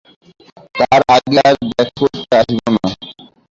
তার আগে আর দেখা করতে আসব না।